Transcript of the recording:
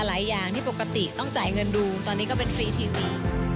อย่างที่ปกติต้องจ่ายเงินดูตอนนี้ก็เป็นฟรีทีวี